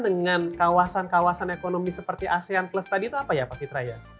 dengan kawasan kawasan ekonomi seperti asean plus tadi itu apa ya pak fitra ya